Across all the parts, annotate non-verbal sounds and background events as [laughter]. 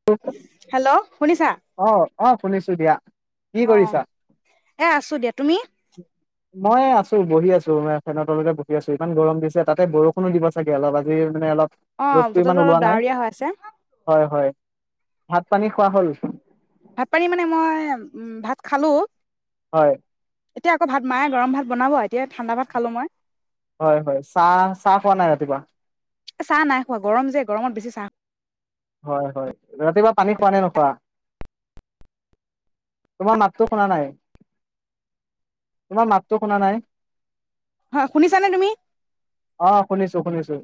[unintelligible] Hello শুনিছা? অ', অ', শুনিছোঁ দিয়া, কি অ', কৰিছা? এ আছো দিয়া তুমি? মই আছোঁ বহি আছোঁ। মে ফেনৰ তলতে বহি আছোঁ ইমান গৰম দিছে, তাতে বৰষুণো দিব চাগে অলপ আজিৰ মানে অলপ অ', ৰ'দটো ইমান বতৰটো ওলোৱা অলপ নাই ডাৱৰীয়া হৈ আছে। হয়, হয়। ভাত পানী খোৱা হ'ল? ভাত পানী মানে মই উম, ভাত খালোঁ। হয়। এতিয়া আকৌ ভাত মায়ে গৰম ভাত বনাব এতিয়া ঠাণ্ডা ভাত খালোঁ মই। হয়, হয়। চাহ, চাহ খোৱা নাই ৰাতিপুৱা? এ, চাহ নাই খোৱা গৰম যে গৰমত বেছি চাহ হয়, হয়। ৰাতিপুৱা পানী খোৱা নে নোখোৱা? তোমাৰ মাতটো শুনা নাই, তোমাৰ মাতটো শুনা নাই? হয় শুনিছানে তুমি? অ শুনিছো শুনিছো।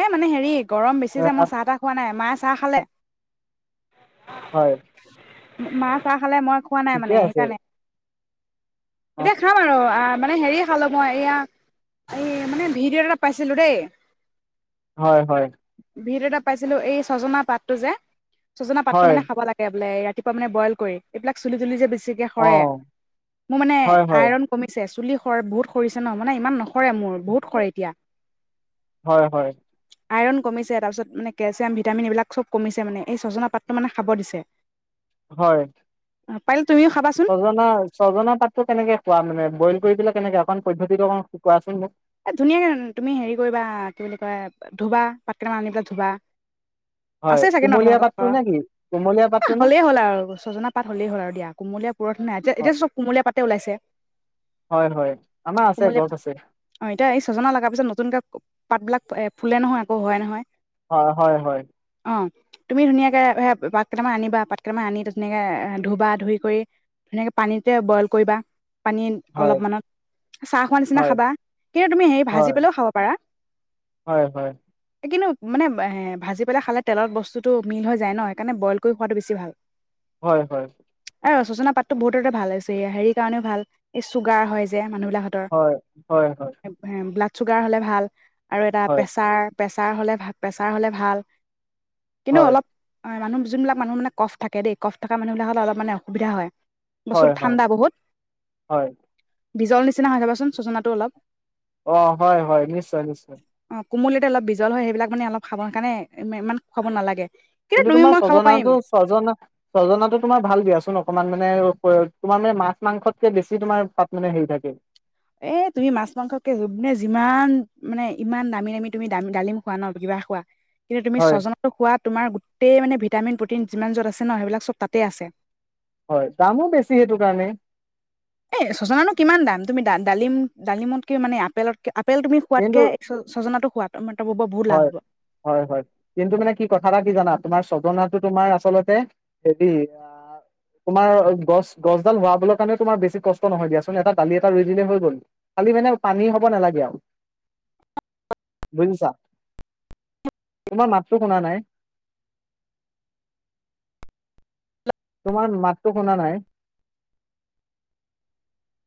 এ মানে হেৰি গৰম বেছি যে, আহ, মই চাহ টাহ খোৱা নাই। মায়ে চাহ খালে। হয়। মা চাহ খালে মই খোৱা নাই ঠিকে মানে আছে সেইকাৰণে। অ এতিয়া খাম আৰু মানে হেৰি খালোঁ মই এয়া এই মানে ভিডিঅ' এটাত পাইছিলো দেই। হয় হয়। ভিডিঅ এটাত পাইছিলো, এই ছজনা পাতটো যে ছজনা পাতটো হয় মানে খাব লাগে। বোলে ৰাতিপুৱা মানে বইল কৰি, এইবিলাক চুলি তুলি যে বেছিকে অ সৰে মোৰ মানে। হয় হয় আইৰন কমিছে চুলি বহুত সৰিছে ন মানে ইমান নস সৰে মোৰ বহুত সৰে এতিয়া। হয় হয় আইৰণ কমিছে তাৰপিছত মানে কেলচিয়াম ভিটামিন এইবিলাক ছব কমিছে মানে এই চজনা পাতটো মানে খাব দিছে। হয়। পাৰিলে তুমিও খাবা চোন অ' নহয়, ছজনা পাতটো কেনেকে খোৱা মানে বইল কৰি পেলাই কেনেকে অকণ পদ্ধতিটো অকণ কোৱাচোন মোক। এ ধুনীয়াকে তুমি হেৰি কৰিবা কি বুলি কয় ধোবা, পাতকেইটান আনি পেলাই ধোবা। হয় আছেই চাগে ন কুমলীয়া তোমালোকৰ পাতটো ঘৰৰ নে কি কুমলীয়া পাতটো এ নে হ'লেই হ'ল আৰু! ছজনা পাত হলেই হ'ল আৰু দিয়া কুমলীয়া পুৰঠ নাই হয় এতিয়াতো চব কুমলীয়া পাতে ওলাইছে। হয় হয় আমাৰ আছে কুমলীয়া গছ আছে। অ এতিয়া এই ছজনা লগাৰ পিছত নতুনকে পাত বিলাক এ ফুলে নহয় আকৌ হয় নহয়। অ হয় হয় অ। তুমি ধুনীয়াকে সেয়া পাত কেইটামান আনিবা পাত কেইটামান আনি ধুনীয়াকে ধুবা ধুই কৰি ধুনীয়াকে পানীতে বইল কৰিবা, পানী হয় অলপমানত এ চাহ খোৱা নিচিনা হয় খাবা। কিন্তু তুমি হেৰি হয় ভাজি পেলাই ও খাব পাৰা? হয় হয় এই কিন্তু মানে এ ভাজি পেলাই খালে তেলত বস্তুটো মিল হৈ যায় ন সেইকাৰণে বইল কৰি খোৱাতো বেছি ভাল। হয় হয়। এ চজনা পাততো বহুততে ভাল আছে এয়া হেৰিৰ কাৰণেও ভাল এই চুগাৰ হয় যে মানুহ বিলাকহঁতৰ। হয় হয় হয়। ব্লাড চুগাৰ হলে ভাল আৰু এটা হয় হয় প্ৰেছাৰ? প্ৰেছাৰ হলে ভা, প্ৰেছাৰ হলে ভাল কিন্তু হয় অলপ হয় মানুহ জোনবিলাক মানুহ মানে কফ থাকে দেই কফ থকা মানুহ বিলাক হলে অলপ মান অসুবিধা হয়। হয় বস্তুটো হয় ঠাণ্ডা বহুত হয় বিজল নিচিনা হয় চাবাচোন চজনাাতো অলপ। অঁ' হয় হয়, নিশ্চয় নিশ্চয়। অঁ কোমলিয়াতে অলপ বিজল হয় সেইবিলাক মানে অলপ খাবৰ কাৰণে ইমান খুৱাব নালাগে। কিন্তু তুমি মই খাব পাৰিম। চজনা- ছজনাতো তোমাৰ ভাল দিয়াচোন, অকমান মানে তোমাৰ মানে মাছ মাংসতকে বেছি তোমাৰ তাত মানে হেৰি থাকে। এ তুমি মাছ মাংসকে যিমান মানে ইমান দামী দামী তুমি ডালিম খোৱা ন কিবা খোৱা। কিন্তু, তুমি হয় স্বজনাটো খোৱা তোমাৰ গোটেই মানে ভিটামিন প্ৰ'টিন যিমান য'ত আছে ন সেইবিলাক চব তাতে আছে। হয়, দামো বেছি সেইটো কাৰণে। এই ছজনানো কিমান দাম? তুমি ডালিম, ডালিমতকে মানে আপেলত- আপেল তুমি কিন্তু খোৱাতকে ছজনাতো খোৱা ত ত বহুত লাভ হয় হ'ব। হয় হয়, কিন্তু মানে কি কথা এটা কি জানা? তোমাৰ ছজনাটো তোমাৰ আচলতে- হেতি আ। তোমাৰ গছ গছডাল হোৱা বলৈ কাৰণে তোমাৰ বেছি কষ্ট নহয় দিয়াচোন এটা দালি এটা ৰুই দিলে হৈ গল। খালি মানে পানী হব নালাগে আও, বুজিছা। তোমাৰ মাততো শুনা নাই। তোমাৰ মাতটো শুনা নাই।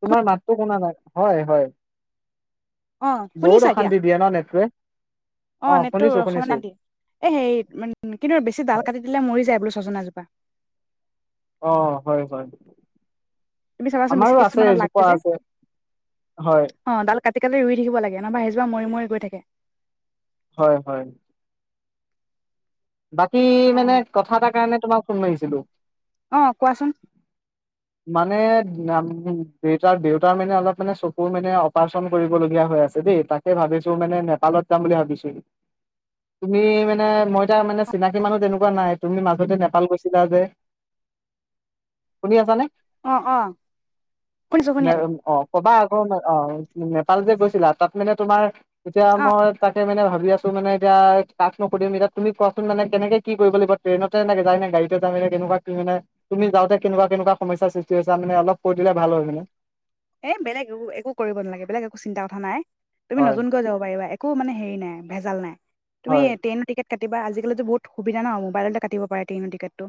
তোমাৰ মাতটো শুনা নাই, হয় হয়। অ বহুত শুনিছা এতিয়া অশান্তি দিয়ে ন নেটটোৱে। অ অঁ নেটটো শুনিছোঁ অকমান শুনিছোঁ। দিয়ে এ সেই মান কিন্তু আৰু বেছি ডাল হয় কাটি দিলে মৰি যায় বোলে ছজনাজোপা। অঁ হয় হয়। তুমি চাবাচোন বেছি আমাৰো আছে কিছুমানত এজোপা আছে হয়। অঁ' ডাল কাটি কাটি ৰুই থাকিব লাগে, নহবা সেজোৱা মৰি মৰি গৈ থাকে। হয় হয়। বাকী মানে কথা এটাৰ কাৰণে তোমাক ফোন মাৰিছিলোঁ। অঁ' কোৱাচোন? মানে দেউতাৰ দেউতাৰ মানে অলপ মানে চকুৰ মানে অপাৰেচন কৰিবলগীয়া হৈ আছে দেই, তাক- কে ভাবিছোঁ মানে নেপালত যাম বুলি ভাবিছোঁ। তুমি মানে মই তাৰ মানে চিনাকি মানুহ তেনেকুৱা নাই, তুমি মাজতে নেপাল গৈছিলা যে। শুনি আছানে? অঁ অঁ। অঁ কবা আকৌ অঁ নেপাল যে গৈছিলা, তাত মানে তোমাৰ তেতিয়া অ মই- তাকে মানে ভাবি আছোঁ মানে এতিয়া কাক নো সুধিম এতিয়া তুমি কোৱাচোন মানে কেনেকে কি কৰিব লাগিব? ট্ৰেইনতে নে যায়নে গাড়ীতে যায়নে কেনেকুৱা কি মানে তুমি যাওঁতে কেনেকুৱা কেনেকুৱা- সমস্যা সৃষ্টি হৈছে মানে অলপ কৈ দিলে ভাল হয় মানে। এ বেলেগ একো একো কৰিব নালাগে বেলেগ একো চিন্তা কথা নাই, তুমি হয় নতুনকৈ যাব পাৰিবা। এক- কো মানে হেৰি নাই ভেজাল নাই। তুমি হয় ট্ৰেইন টিকেট- কাটিবা আজিকালিটো বহুত সুবিধা ন, মোবাইলতে কাটিব পাৰে ট্ৰেইনৰ টিকেটটো।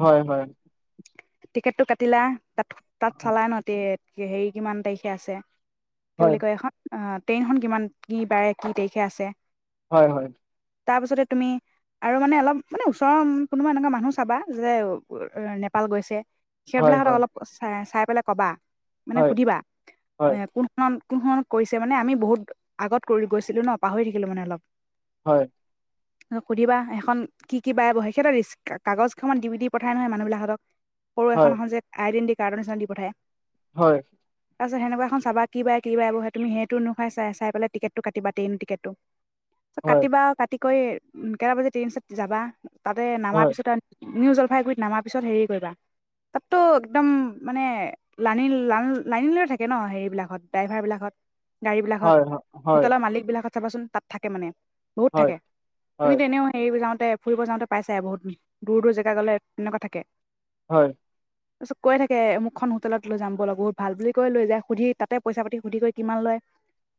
হয় হয়। টিকেটটো কাটিলা, তাত তাত হয় চালাই ন। দেত হেৰি কিমান তাৰিখে আছে, কি হয় বুলি কয় এখন? অঁ ট্ৰেইনখন কিমান কি বাৰে কি তাৰিখে আছে। হয় হয়। তাপিছতে তুমি- আৰু মানে অলপ মানে ওচৰৰ কোনোবা এনেকুৱা মানুহ চাবা যোনে অ নেপাল গৈছে। হয় সেইবিলাকহতক হয় অলপ চাই চাই পেলাই কবা, মানে হয় সুধিবা এ হয় কোন- কোন কোনখনত কৰিছে মানে আমি বহুত আগত কৰি গৈছিলোঁ ন পাহৰি থাকিলোঁ মানে অলপ। হয়। আৰু সুধিবা এখন কি কি বাৰে বহে? সিহঁতৰ ৰিস্ক কাগজকেখনমান দি দি পঠাই নহয় মানুহবিলাক হতক। সৰু হয় এখন এখন যে আইডেণ্টি কাৰ্ডৰ নিচিনা দি পঠায়। হয়। তাৰপিছত সেনেকুৱা এখন চাবা কি বাৰে কি বাৰে বহে তুমি সেইটো এনেকুৱা চাই চাই পেলায় টিকেটটো কাটিবা ট্ৰেইন টিকেটটো। [inaudible] কাটিবা, কাটি কৰি কেইটা বাজি ট্ৰেইন আছে যাবা। তাতে নামাৰ হয় হয় পিছত আ নিউ জলপাইগুৰিত নামাৰ পিছত হেৰি কৰিবা তাতটো একদম মানে লানি লাল লাইন লৈ থাকে ন হেৰিবিলাকত ড্ৰাইভাৰবিলাকত গাড়ীবিলাকত, হয় হয় হোটেলৰ মালিকবিলাকত চাবাছোঁন তাত থাকে মানে। বহুত থাকে তুমি হয় তেনেও হেৰি বিলাকতে ফুৰিব যাওঁতে পাইছায়ে বহুত দূৰ দূৰ জেগা গ'লে এনেকুৱা থাকে। হয়। তাৰিছত কৈ থাকে অমুকখন হোটেলত লৈ যাম বলক বহুত ভাল বুলি কৈ লৈ যায় সুধি তাতে পইচা পাতি সুধি কৰি কিমান লয়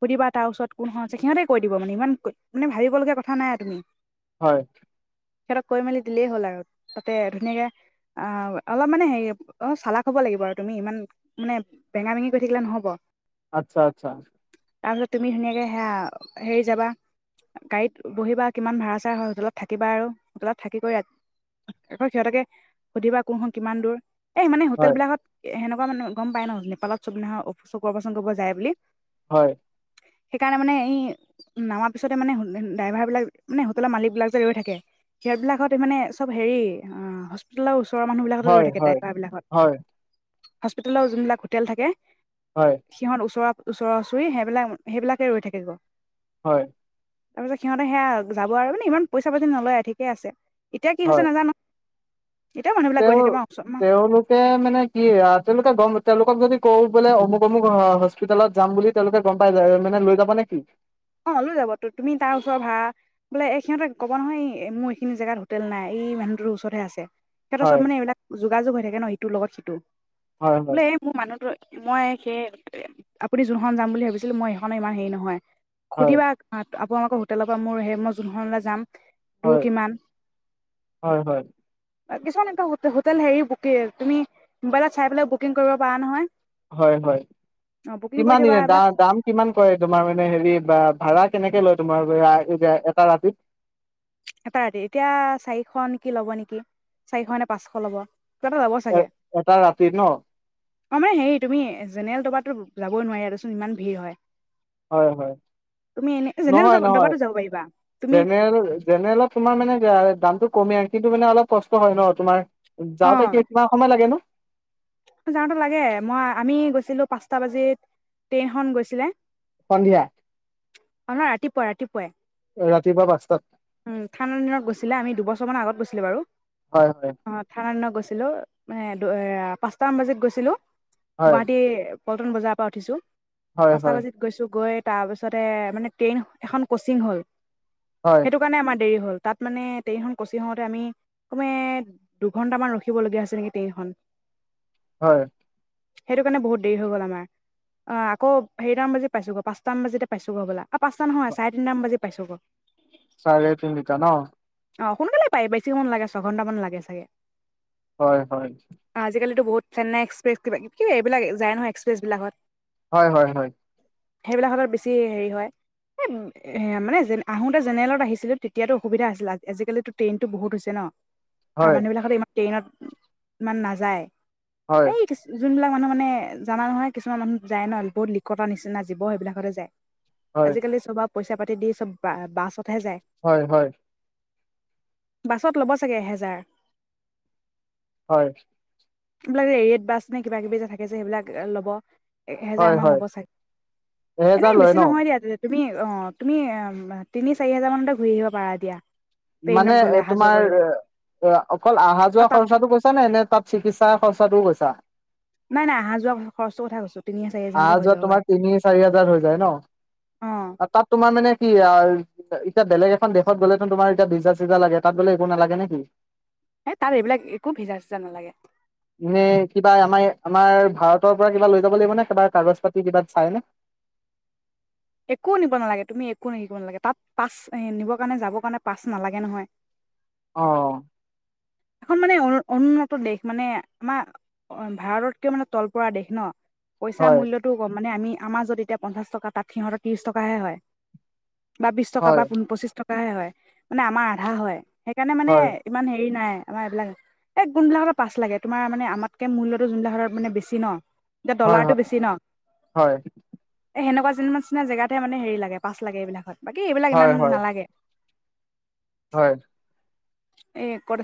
সুধিবা তাৰ ওচৰত কোন খন আছে? সিহঁতে কৈ দিব মানে ইমান মানে ভাবিবলগীয়া কথা নাই আৰু তুমি। হয়। সিহঁতক কৈ মেলি দিলেই হ'ল আৰু তাতে ধুনীয়াকে অ অলপ মানে হেৰি অ চালাক হ'ব লাগিব আৰু। তুমি ইমান মানে বেঙা-বেঙি কৰি থাকিলে নহ'ব। আচ্ছা আচ্ছা। তাৰপিছত তুমি ধুনীয়াকে সেয়া হেৰি যাবা গাড়ীত বহিবা কিমান ভাড়া-চাৰা হয় হোটেলত থাকিবা আৰু। হোটলত থাকি কৰি ৰা আকৌ সিহঁতকে সুধিবা কোনখন কিমান দূৰ? এই মানে হয় হোটেল বিলাকত সেনেকুৱা মানুহ গম পায় ন'! নেপালত চব [unintelligible] চকু অপাৰেচন কৰিব যায় বুলি। হয়। সেইকাৰণে মানে এই নামাৰ পিছতে মানে ড্ৰাইভাৰ বিলাক মানে হোটেলৰ মালিক বিলাক যে ৰৈ থাকে সিহঁতবিলাকত মানে চব হেৰি অ হস্পিতালৰ ওচৰৰ মানুহ বিলাকতো হয় ৰৈ থাকে হয় ডাইভাৰ বিলাকত। হয় হস্পিটেলৰ যোনবিলাক হোটেল থাকে হয়। সিহঁত ওচৰ ওচৰা-ওচৰি সেইবিলাক সেইবিলাকে ৰৈ থাকে গৈ। হয়। তাৰপিছত সিহঁতে সেয়া আ যাব আৰু মানে ইমান পইচা পাতি নলয় ঠিকে আছে। এতিয়া কি হৈছে হয় নাজানো। এতিয়াও মানুহবিলাক গৈ থাকে বাৰু [unintelligible] তে মানে কি তেওঁলোকে গম তেওঁলোকক যদি কওঁ বোলে অমুক অমুক হস্পিটেলত যাম বুলি তেওঁলোকে গম পাই যায় মানে লৈ যাব নে কি? অ লৈ যাব তো। তুমি তাৰ ওচৰ ভাড়া বোলে এই সিহতে ক'ব নহয় এই মোৰ এইখিনি জেগাত হোটেল নাই এই ইমানদূৰ ওচৰতহে আছে। সিহঁতৰ চব হয় মানে এইবিলাক যোগাযোগ হৈ থাকে ন' ইটোৰ লগত সিটো। হয় হয় বোলে এই মোৰ মানুহতো মই সেই আপুনি যোনখন যাম বুলি ভাবিছিলো মই সেইখনত ইমান হেৰি নহয়। হয় সুধিবা আপোনালোকৰ হোটেলৰ পৰা মোৰ সেই মই যোনখনলৈ যাম দূৰ হয় কিমান? হয় হয় অ'কিছুমান এনেকা হোটেল হেৰি, বুকে তুমি মোবাইলত চাই পেলাইও বুকিং কৰিব পাৰা নহয় হয়। হয়। অ বুকিং কৰি কিমান থবা দিনে এইবিলাক দা- দাম? কিমান পৰে তোমাৰ মানে হেৰি বা ভাড়া কেনেকে লয়? তোমাৰ এটা ৰাতিত এটা ৰাতি, এতিয়া চাৰিশ নেকি, ল'ব নেকি! চাৰিশ নে পাঁচশ ল'ব। কিবা এটা ল'ব এ চাগে। এটা ৰাতি ন অ' মানে হেৰি তুমি জেনেৰেল দবাটোত যাবই নোৱাৰি এ দে চোন। ইমান ভিৰ হয়। হয়। হয়। তুমি এনে জেনেৰেল নহয়। নহয়। দবাতো যাব পাৰিবা তুমি জেনেৰেল- জেনেৰেলত তোমাৰ মানে দামটো কমে আৰু। কিন্তু মানে অলপ কষ্ট হয় ন। তোমাৰ অ যাওঁতে কি- কিমান সময় লাগে নো? যাওঁতে লাগে। মই -আমি গৈছিলো পাঁচটা বাজিত ট্ৰেইনখন গৈছিলে। সন্ধিয়া আমাৰ ৰাতিপুৱাই-ৰাতিপুৱাই। ৰাতিপুৱা পাঁচটাত উম। ঠাণ্ডা দিনত গৈছিলে। আমি দুবছৰমান আগত গৈছিলো বাৰু। হয়। হয়। অ'হ। ঠাণ্ডা দিনত গৈছিলোঁ। মানে এ য়া পাঁচটামান বাজিত গৈছিলো। হয় গুৱাহাটী পল্টন বজাৰ পৰা উঠিছো। হয় পাঁচটা হয় বাজিত গৈছোঁ। গৈ তাৰ পিছতে মানে ট্ৰেইন এখন কচিং হ'ল হয়। সেইটো কাৰণে আমাৰ দেৰি হ'ল। তাত মানে ট্ৰেইন কচিং হওঁতে আমি কমে দুঘন্টামান ৰখিবলগীয়া হৈছে নেকি, ট্ৰেইনখন হয়। সেইটো কাৰণে বহুত দেৰি হৈ গ'ল আমাৰ। অঁ আকৌ হেৰিটা মান বাজিত পাইছোঁগৈ। পাঁচটামান বাজিতে পাইছোঁগৈ হ'বলা। অ' পাঁচটা নহয়, চাৰে তিনটামান বাজিত পাইছোঁগৈ। চাৰে তিনটা ন? অ' সোনকালে পায়। বেছি সময় নালাগে। ছঘণ্টামান লাগে চাগে! হয়। হয়। আজিকালিটো বহুত, চেন্নাই এক্সপ্ৰেছ কিবা এইবিলাক যায় নহয় এক্সপ্ৰেছ বিলাকত হয়। হয়। হয়। সেইবিলাকহতত বেছি হেৰি হয়। এ এহে মানে আহোঁতে জেনেৰেলত আহিছিলোঁ। তেতিয়াতো অসুবিধা আছিল। আজিকালিতো ট্ৰেইনটো বহুত হৈছে ন [inaudible] আৰু মানুহবিলাক খালী ইমান ট্ৰেইনত ইমান নাযায়। হয় এই যোনবিলাক মানুহ মানে জানা নহয়, কিছুমান মানুহ যায় ন বহুত লিকতা নিচিনা জীৱ, সেইবিলাকহতে যায়। হয় হয় আজিকালি চব আ পইচা-পাতি দি চব বা-বাছতহে যায়। হয় বাছত ল'ব চাগে এহেজাৰ? হয়। এইবিলাক এ ৰেডবাছ নে কিবা -কিবি যে থাকে যে, সেইবিলাক ল'ব এ এহেজাৰ হয় মান হয় ল'ব চাগে, এহেজাৰ এনেই লয় বেছি ন নহয় দিয়া। তুমি অ'হ, তুমি তিনি -চাৰিহেজাৰ মানতে ঘূৰি আহিব পাৰা দিয়া। মানে ট্ৰেইনত গ'লে অহা যোৱা তোমাৰ কৰিলে অ- অকল আৰু আহা-যোৱা তাত খৰছাটো কৈছা নে? নে তাত চিকিৎসাৰ খৰচাটোও কৈছা? নাই নাই অহা যোৱা খৰচটোৰ কথা কৈছো তিনি চাৰি হাজাৰতে আহা- হৈ যোৱাত যাব তোমাৰ পাৰে তিনি -চাৰহাজাৰত হৈ যায় ন? অ তাত তোমাৰ মানে কি, আ এতিয়া বেলেগ এখন দেশত গ'লেটো তোমাৰ ভিজা- চিজা লাগে। তাত গ'লে একো নালাগে নে কি? এ তাত এইবিলাক একো ভিজা -চিজা নালাগে। [inaudible] এনে কিবা আমাৰ -আমাৰ ভাৰতৰ পৰা কিবা লৈ যাব লাগিব নে? কিবা কাগজ -পাতি কিবা চাই নে? একো নিব নালাগে তুমি একো নিব নালাগে তাত পাছ এ নিবৰ কাৰণে যাবৰ কাৰণে পাছ নালাগে নহয়। অঁ! এখন মানে অনুন্নত দেশ মানে আমাৰ ভাৰততকে মানে তল পৰা দেশ ন। পইচাৰ হয় মূল্যটোও ক'ম মানে আমি আমাৰজত এতিয়া পঞ্চাছ টকা তাত সিহঁতৰ ত্ৰিশ টকাহে হয়। বা বিশ টকা বা হয় পন পচিশ টকাহে হয়ঁ মানে আমাৰ আধা হয়ঁ সেইকাৰণে হয় মানে- ইমান হেৰি নাই। আমাৰ এইবিলাক এই কনবিলাকৰ পাঁচ লাগে তমাৰানে আমাতকৈ মূল্যটো যোনিলাকতৰ মানে বেছি ন। এতিয়া হয় ডলাৰটো বেছি ন। হয় সেনেকুৱা যিমানচিনা জেগাত হে মানে হেৰি লাগে পাছ লাগে এইবিলাকত বাকী এইবিলাক ইমান হয় নালাগে। হয়ঁ! এ ক'ত আছ-